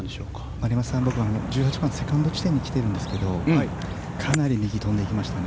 丸山さん１８番セカンド地点に来ているんですがかなり右に飛んでいきましたね。